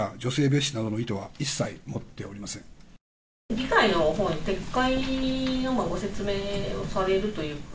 議会のほうに撤回のご説明をされるとか。